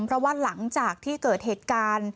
เพราะว่าหลังจากที่เกิดเหตุการณ์